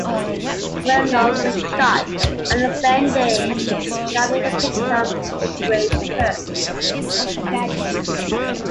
Smirnov was shot on the same day, becoming a victim of the Great Purge.